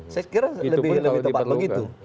saya kira lebih tepat begitu